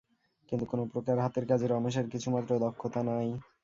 কিন্তু কোনোপ্রকার হাতের কাজে রমেশের কিছুমাত্র দক্ষতা নাই।